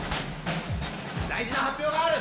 大事な発表がある！